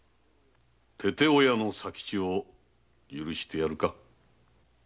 父親の佐吉を許してやるか？